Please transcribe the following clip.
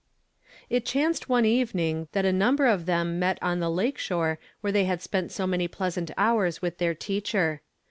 It chanced one evening that a number of them met on the lake shore where tliey had spent so many pleasant hours with their Teacher.